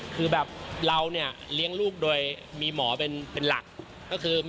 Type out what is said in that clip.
คือแบบเราเนี่ยเลี้ยงลูกโดยมีหมอเป็นหลักก็คือ